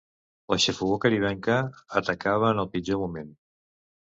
La xafogor caribenca atacava en el pitjor moment.